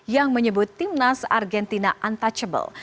yang menyebut timnas argentina untouchable